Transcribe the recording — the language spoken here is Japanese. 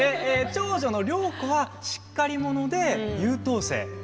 長女の良子はしっかり者で優等生。